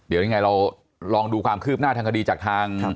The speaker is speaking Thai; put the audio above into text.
เดี๋ยวยังไงเราลองดูความคืบหน้าทางคดีจากทาง